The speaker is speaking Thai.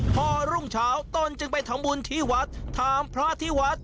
พอรุ่งเช้าตนจึงไปทำบุญที่วัดถามพระที่วัด